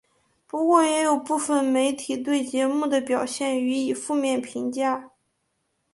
不过也有部分媒体对节目的表现予以负面评价。